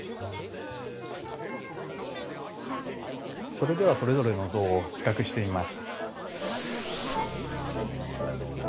それではそれぞれの像を比較してみます。